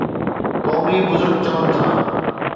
قومي بزرگ چون ٿا